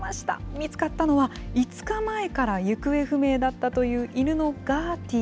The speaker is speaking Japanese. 見つかったのは、５日前から行方不明だったという犬のガーティ。